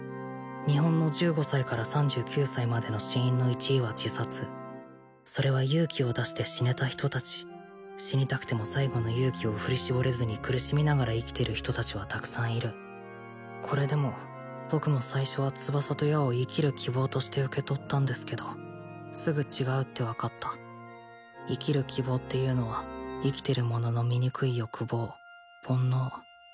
日本の１５歳から３９歳までの死因の１位は自殺それは勇気を出して死ねた人達死にたくても最後の勇気を振り絞れずに苦しみながら生きてる人達はたくさんいるこれでも僕も最初は翼と矢を生きる希望として受け取ったんですけどすぐ違うって分かった生きる希望っていうのは生きてる者の醜い欲望煩悩